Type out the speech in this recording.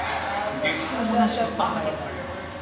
激走むなしくアウト